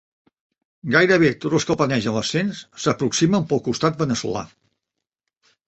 Gairebé tots els que planegen l'ascens s'aproximen pel costat veneçolà.